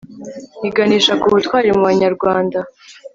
iganisha ku butwari mu banyarwanda